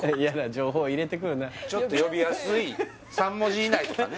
ちょっと呼びやすい３文字以内とかね